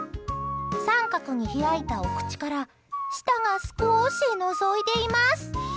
三角に開いたお口から舌が少し、のぞいています。